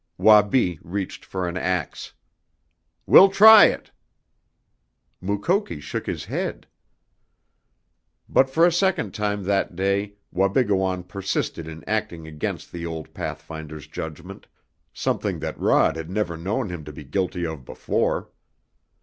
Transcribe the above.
Wabi reached for an ax. "We'll try it!" Mukoki shook his head. But for a second time that day Wabigoon persisted in acting against the old pathfinder's judgment, something that Rod had never known him to be guilty of before.